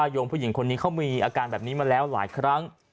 โยมผู้หญิงคนนี้เขามีอาการแบบนี้มาแล้วหลายครั้ง